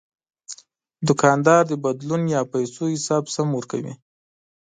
دوکاندار د بدلون یا پیسو حساب سم ورکوي.